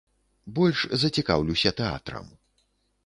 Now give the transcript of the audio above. Больш за цікаўлюся тэатрам.